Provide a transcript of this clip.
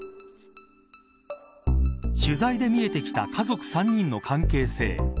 取材で見えてきた家族３人の関係性。